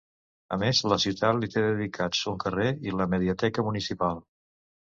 A més la ciutat li té dedicats un carrer i la mediateca municipal.